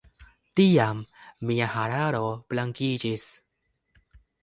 Tiam mia hararo blankiĝis.